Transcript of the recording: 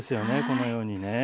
このようにね。